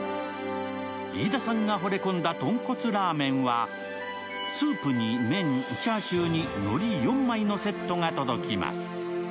飯田さんがほれ込んだとんこつラーメンはスープに麺、チャーシューにのり４枚のセットが届きます。